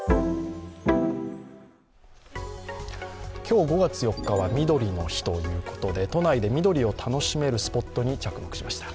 今日５月４日はみどりの日ということで、都内で緑を楽しめるスポットに着目しました。